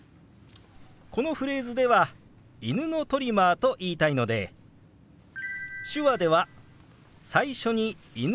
このフレーズでは「犬のトリマー」と言いたいので手話では最初に「犬」をつけて表します。